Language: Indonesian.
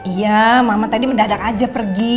iya mama tadi mendadak aja pergi